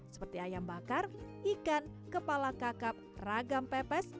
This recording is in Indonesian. seperti ayam bakar ikan kepala kakap ragam pepes